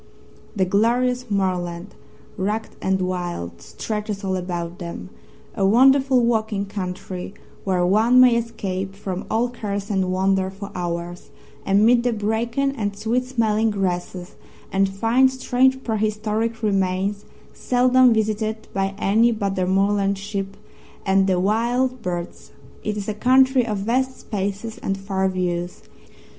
The glorious moorland, rugged and wild, stretches all about them a wonderful walking country, where one may escape from all cares and wander for hours amid the bracken and sweet smelling grasses and find strange prehistoric remains seldom visited by any but the moorland sheep and the wild birds. It is a country of vast spaces and far views.